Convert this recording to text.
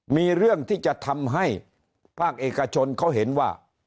มีเรื่องที่จะทำให้ภาคเอกชนเขาเห็นว่า